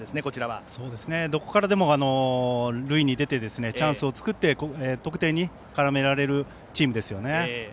どこからでも塁に出てチャンスを作って得点に絡められるチームです。